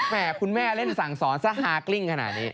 คุณแม่เล่นสั่งสอนซะฮากลิ้งขนาดนี้